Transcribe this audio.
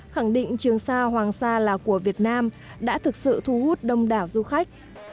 khẳng định trường sa hoàng sa là của việt nam đã thực sự thu hút đông đảo du khách